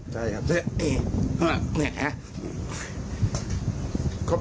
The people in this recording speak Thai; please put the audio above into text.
ได้ครับ